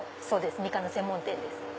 みかんの専門店です。